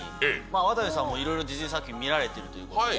渡部さんもいろいろディズニー作品見られてるということで。